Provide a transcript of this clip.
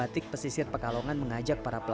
thailand yeah kan